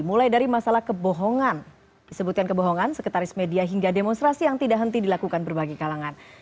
mulai dari masalah kebohongan disebutkan kebohongan sekretaris media hingga demonstrasi yang tidak henti dilakukan berbagai kalangan